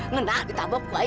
ngenah ditabok gue he